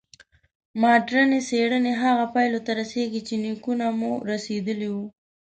مډرني څېړنې هغو پایلو ته رسېږي چې نیکونه مو رسېدلي وو.